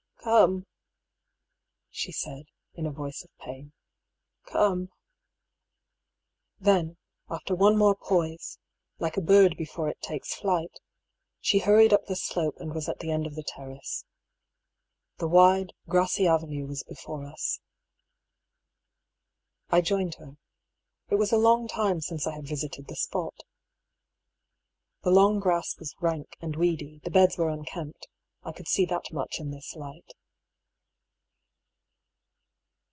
" Come! " she said, in a voice of pain. " Come !" Then, after one more pdise — like a bird before it takes flight — she hurried up the slope and was at the end of the terrace. The wide, grassy avenue was be fore us. I joined her. It was a long time since I had vis ited the spot. The long grass was rank and weedy, the beds were unkempt — I could see that much in this light.